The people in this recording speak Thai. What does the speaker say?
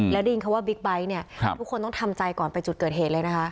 แล้วได้ยินคำว่าบิ๊กไบท์เนี่ยทุกคนต้องทำใจก่อนไปจุดเกิดเหตุเลยนะคะ